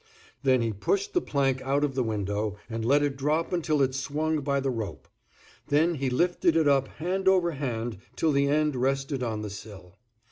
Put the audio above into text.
Then he pushed the plank out of the window, and let it drop until it swung by the rope; then he lifted it up hand over hand till the end rested on the sill.